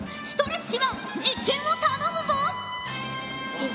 ストレッチマン実験を頼むぞ。